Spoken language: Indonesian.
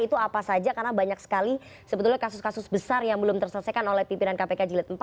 itu apa saja karena banyak sekali sebetulnya kasus kasus besar yang belum terselesaikan oleh pimpinan kpk jilid empat